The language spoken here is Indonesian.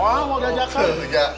wah mau diajakan